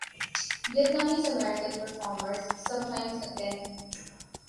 Vietnamese-American performers sometimes attend.